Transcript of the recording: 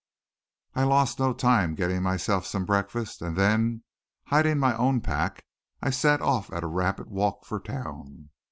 I lost no time getting myself some breakfast, and then, hiding my own pack, I set off at a rapid walk for town.